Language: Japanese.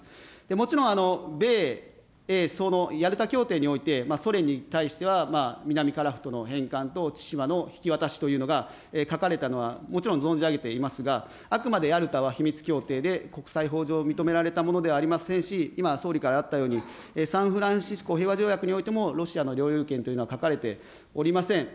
もちろん、米英、ヤルタ協定においてソ連に対しては、南樺太の返還と千島の引き渡しというのが書かれたのはもちろん存じ上げていますが、あくまでヤルタは秘密協定で国際法上認められたものではありませんし、今、総理からあったように、サンフランシスコ平和条約においても、ロシアの領有権というのは書かれておりません。